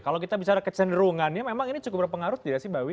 kalau kita bicara kecenderungannya memang ini cukup berpengaruh tidak sih mbak wiwi